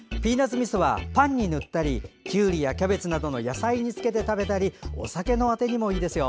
みそはパンに塗ったりきゅうりやキャベツなどの野菜につけて食べたりお酒のあてにもいいですよ。